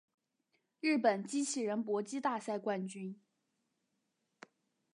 日本机器人搏击大赛冠军